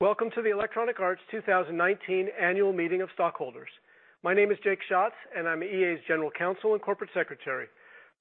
Welcome to the Electronic Arts 2019 annual meeting of stockholders. My name is Jacob Schatz, and I'm EA's general counsel and corporate secretary.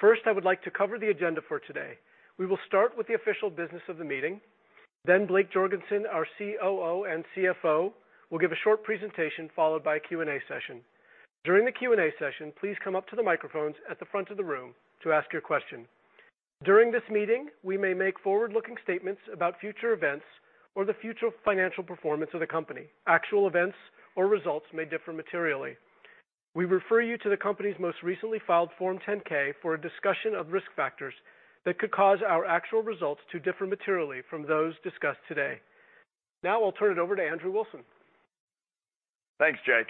First, I would like to cover the agenda for today. We will start with the official business of the meeting, then Blake Jorgensen, our COO and CFO, will give a short presentation, followed by a Q&A session. During the Q&A session, please come up to the microphones at the front of the room to ask your question. During this meeting, we may make forward-looking statements about future events or the future financial performance of the company. Actual events or results may differ materially. We refer you to the company's most recently filed Form 10-K for a discussion of risk factors that could cause our actual results to differ materially from those discussed today. Now, I'll turn it over to Andrew Wilson. Thanks, Jake.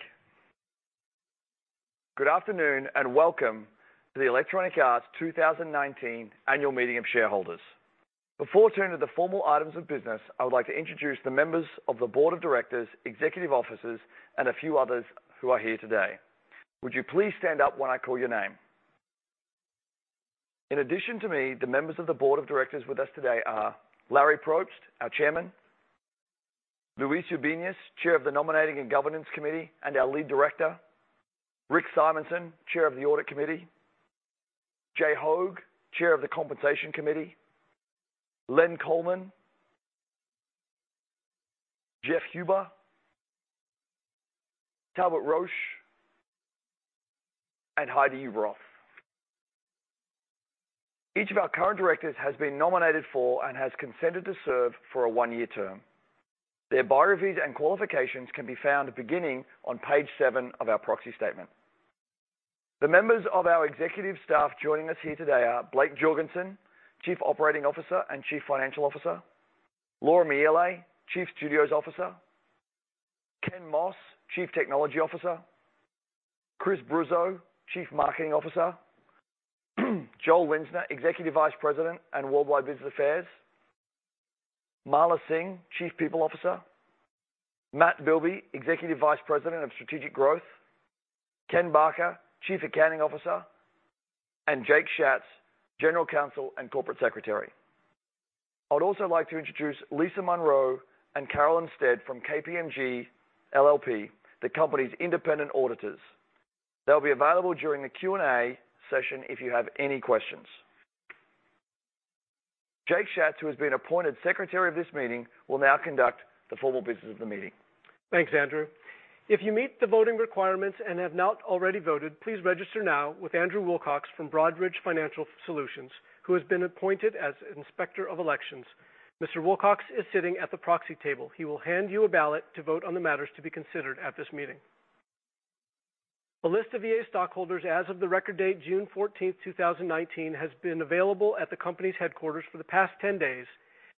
Good afternoon, and welcome to the Electronic Arts 2019 annual meeting of shareholders. Before turning to the formal items of business, I would like to introduce the members of the board of directors, executive officers, and a few others who are here today. Would you please stand up when I call your name? In addition to me, the members of the board of directors with us today are Larry Probst, our chairman. Luis Ubiñas, chair of the nominating and governance committee and our lead director. Rick Simonson, chair of the audit committee. Jay Hoag, chair of the compensation committee. Len Coleman. Jeff Huber. Talbott Roche. Heidi Ueberroth. Each of our current directors has been nominated for and has consented to serve for a one-year term. Their biographies and qualifications can be found beginning on page seven of our proxy statement. The members of our executive staff joining us here today are Blake Jorgensen, Chief Operating Officer and Chief Financial Officer. Laura Miele, Chief Studios Officer. Ken Moss, Chief Technology Officer. Chris Bruzzo, Chief Marketing Officer. Joel Linzner, Executive Vice President and Worldwide Business Affairs. Mala Singh, Chief People Officer. Matt Bilbey, Executive Vice President of Strategic Growth. Ken Barker, Chief Accounting Officer, and Jake Schatz, General Counsel and Corporate Secretary. I would also like to introduce Lisa Monroe and Carolyn Stead from KPMG LLP, the company's independent auditors. They'll be available during the Q&A session if you have any questions. Jake Schatz, who has been appointed Secretary of this meeting, will now conduct the formal business of the meeting. Thanks, Andrew. If you meet the voting requirements and have not already voted, please register now with Andrew Wilcox from Broadridge Financial Solutions, who has been appointed as Inspector of Elections. Mr. Wilcox is sitting at the proxy table. He will hand you a ballot to vote on the matters to be considered at this meeting. A list of EA stockholders as of the record date, June 14th, 2019, has been available at the company's headquarters for the past 10 days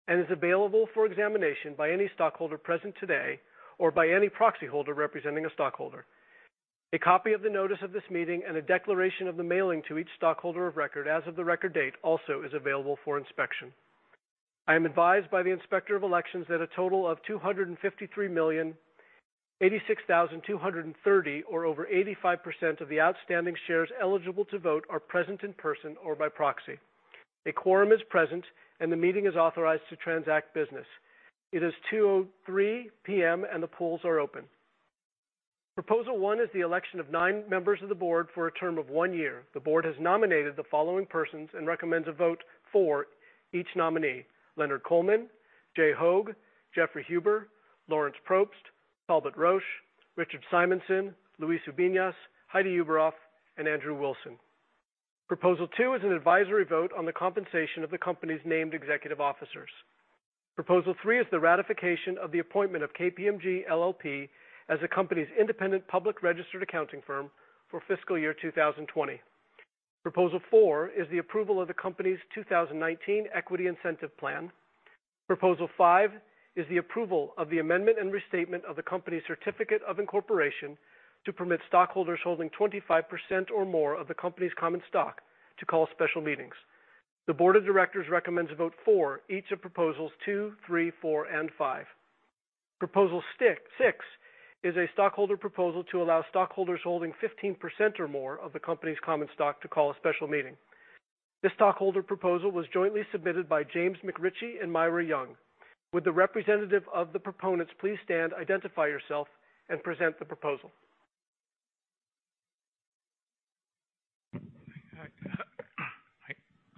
and is available for examination by any stockholder present today or by any proxy holder representing a stockholder. A copy of the notice of this meeting and a declaration of the mailing to each stockholder of record as of the record date also is available for inspection. I am advised by the Inspector of Elections that a total of 253,086,230, or over 85% of the outstanding shares eligible to vote, are present in person or by proxy. A quorum is present, and the meeting is authorized to transact business. It is 2:03 P.M., and the polls are open. Proposal one is the election of nine members of the board for a term of one year. The board has nominated the following persons and recommends a vote for each nominee: Leonard Coleman, Jay Hoag, Jeffrey Huber, Lawrence Probst, Talbott Roche, Richard Simonson, Luis Ubiñas, Heidi Ueberroth, and Andrew Wilson. Proposal two is an advisory vote on the compensation of the company's named executive officers. Proposal three is the ratification of the appointment of KPMG LLP as the company's independent public registered accounting firm for fiscal year 2020. Proposal four is the approval of the company's 2019 Equity Incentive Plan. Proposal five is the approval of the amendment and restatement of the company's certificate of incorporation to permit stockholders holding 25% or more of the company's common stock to call special meetings. The board of directors recommends a vote for each of proposals two, three, four, and five. Proposal six is a stockholder proposal to allow stockholders holding 15% or more of the company's common stock to call a special meeting. This stockholder proposal was jointly submitted by James McRitchie and Myra Young. Would the representative of the proponents please stand, identify yourself, and present the proposal.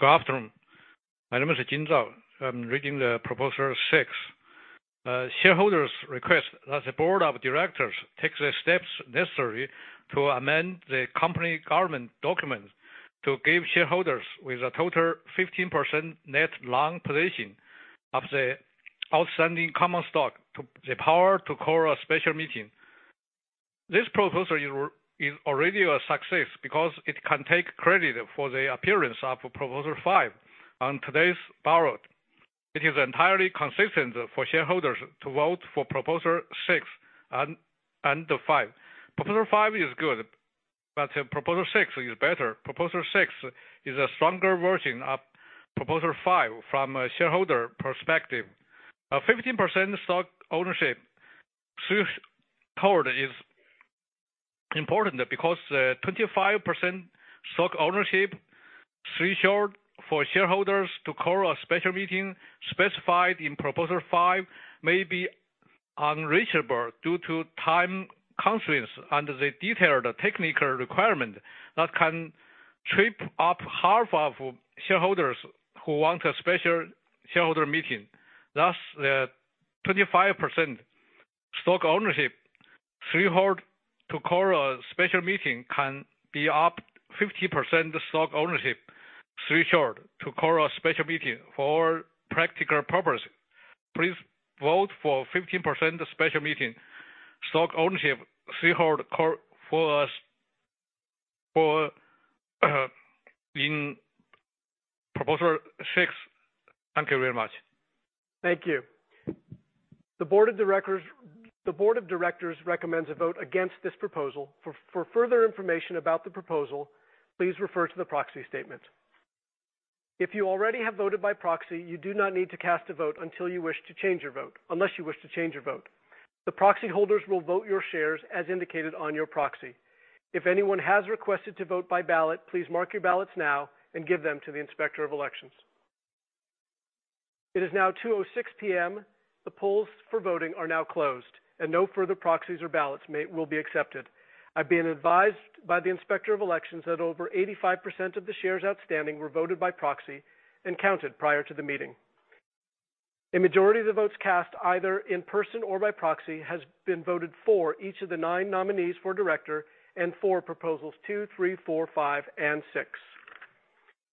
Good afternoon. My name is Jin Zhao. I'm reading the proposal six. Shareholder's request that the board of directors takes the steps necessary to amend the company government documents to give shareholders with a total 15% net long position of the outstanding common stock the power to call a special meeting. This proposal is already a success because it can take credit for the appearance of proposal five on today's ballot. It is entirely consistent for shareholders to vote for proposal six and five. Proposal five is good, but proposal six is better. Proposal six is a stronger version of proposal five from a shareholder perspective. A 15% stock ownership threshold is important because the 25% stock ownership threshold for shareholders to call a special meeting specified in Proposal Five may be unreachable due to time constraints under the detailed technical requirement that can trip up half of shareholders who want a special shareholder meeting. Thus, the 25% stock ownership threshold to call a special meeting can be up 50% stock ownership threshold to call a special meeting for practical purpose. Please vote for 15% special meeting stock ownership threshold call for us in Proposal Six. Thank you very much. Thank you. The board of directors recommends a vote against this proposal. For further information about the proposal, please refer to the proxy statement. If you already have voted by proxy, you do not need to cast a vote unless you wish to change your vote. The proxy holders will vote your shares as indicated on your proxy. If anyone has requested to vote by ballot, please mark your ballots now and give them to the Inspector of Elections. It is now 2:06 P.M. The polls for voting are now closed, and no further proxies or ballots will be accepted. I've been advised by the Inspector of Elections that over 85% of the shares outstanding were voted by proxy and counted prior to the meeting. A majority of the votes cast, either in person or by proxy, has been voted for each of the nine nominees for director and for Proposals 2, 3, 4, 5, and 6.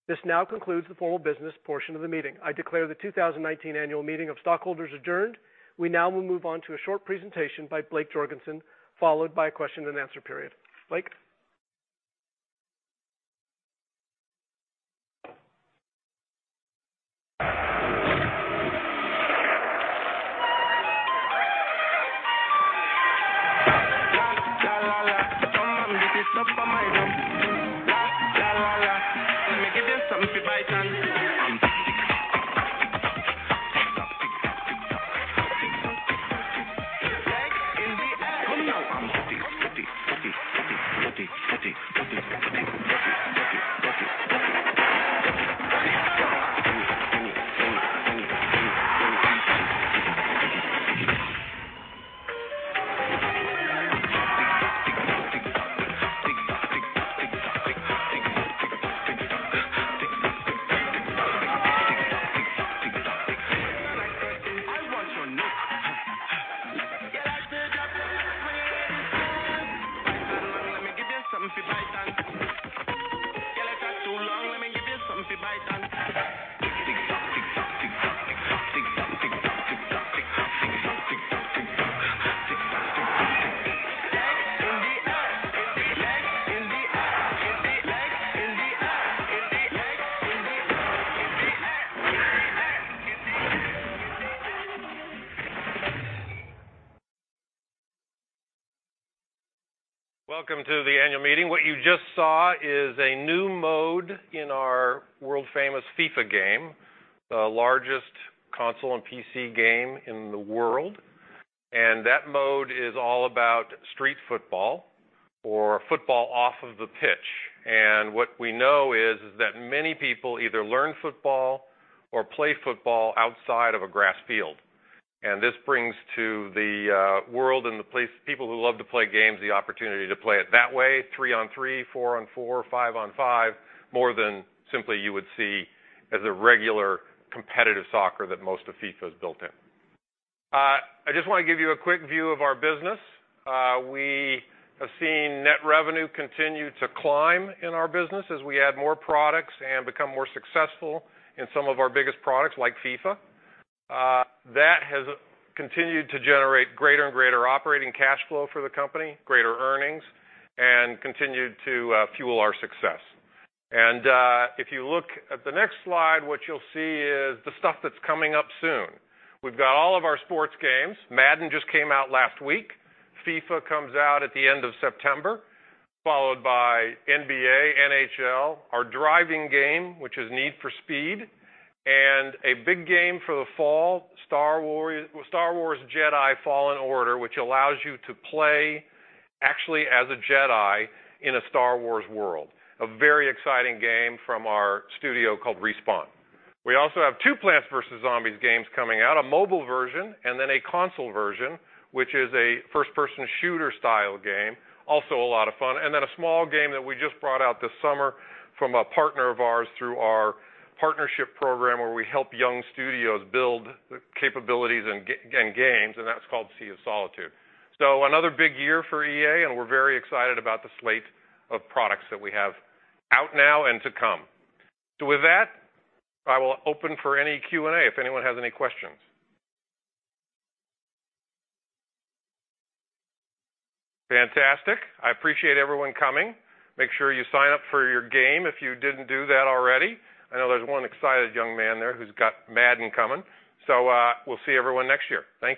This now concludes the formal business portion of the meeting. I declare the 2019 annual meeting of stockholders adjourned. We now will move on to a short presentation by Blake Jorgensen, followed by a question and answer period. Blake? Welcome to the annual meeting. What you just saw is a new mode in our world-famous FIFA game, the largest console and PC game in the world. That mode is all about street football or football off of the pitch. What we know is that many people either learn football or play football outside of a grass field. This brings to the world and the people who love to play games the opportunity to play it that way, three on three, four on four, five on five, more than simply you would see as a regular competitive soccer that most of FIFA is built in. I just want to give you a quick view of our business. We have seen net revenue continue to climb in our business as we add more products and become more successful in some of our biggest products like FIFA. That has continued to generate greater and greater operating cash flow for the company, greater earnings, and continued to fuel our success. If you look at the next slide, what you'll see is the stuff that's coming up soon. We've got all of our sports games. Madden just came out last week. FIFA comes out at the end of September, followed by NBA Live, NHL, our driving game, which is Need for Speed, and a big game for the fall, Star Wars Jedi: Fallen Order, which allows you to play actually as a Jedi in a Star Wars world. A very exciting game from our studio called Respawn. We also have two Plants vs. Zombies games coming out, a mobile version and then a console version, which is a first-person shooter style game. Also a lot of fun. A small game that we just brought out this summer from a partner of ours through our partnership program, where we help young studios build capabilities and games, and that's called Sea of Solitude. Another big year for EA, and we're very excited about the slate of products that we have out now and to come. With that, I will open for any Q&A if anyone has any questions. Fantastic. I appreciate everyone coming. Make sure you sign up for your game if you didn't do that already. I know there's one excited young man there who's got Madden coming. We'll see everyone next year. Thank you